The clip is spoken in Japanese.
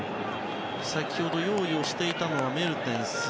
先ほど、用意していたのはメルテンス。